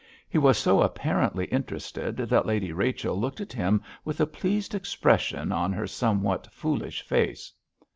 He was so apparently interested that Lady Rachel looked at him with a pleased expression on her somewhat foolish face.